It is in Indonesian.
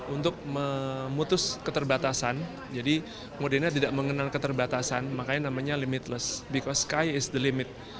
untuk memutus keterbatasan jadi moderna tidak mengenal keterbatasan makanya namanya limitless beco sky is the limit